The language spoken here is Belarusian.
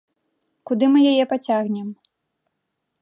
Куды мы яе пацягнем?